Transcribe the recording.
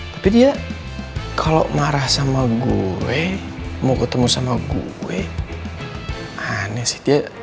tapi dia kalau marah sama gue mau ketemu sama gue aneh sih dia